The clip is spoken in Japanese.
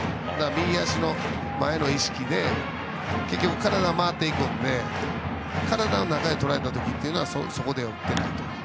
右足の前の意識で結局、体は回っていくので体の中でとらえた時はそこで打ってるなと。